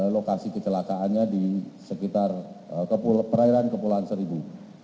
lokasi kecelakaannya di sekitar perairan kepulauan seribu